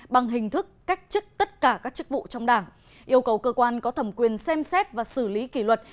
bằng hình thức cách chức tất cả các chức vụ trong đảng yêu cầu cơ quan có thẩm quyền xem xét và xử lý kỷ luật